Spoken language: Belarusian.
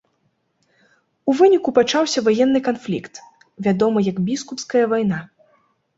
У выніку пачаўся ваенны канфлікт, вядомы як біскупская вайна.